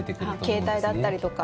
携帯だったりとか。